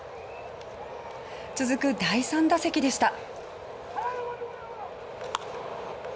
続く第３打席でした。